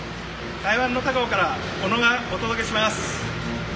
台湾の高雄から小野がお届けします。